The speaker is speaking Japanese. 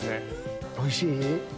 おいしい？